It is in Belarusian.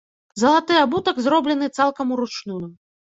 Залаты абутак зроблены цалкам уручную.